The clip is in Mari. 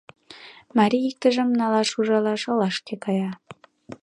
Марий иктажым налаш-ужалаш олашке кая.